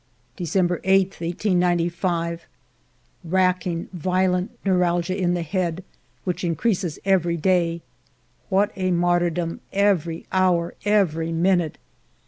December 8, 1895. Racking, violent neuralgia in the head, which increases every day. What a martyrdom, every hour, every minute